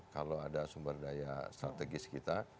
kalau ada sumber daya strategis kita